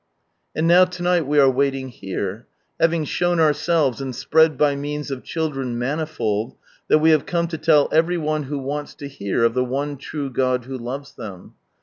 And now to night we are waiting here; having shown ourselves and spread by means of children manifold, that we have come to tell every one who wants to hear of the One True God who loves them.